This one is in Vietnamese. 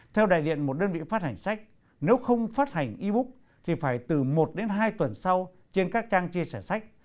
theo đại diện một đơn vị phát hành sách nếu không phát hành e book thì phải từ một đến hai tuần sau trên các trang chia sẻ sách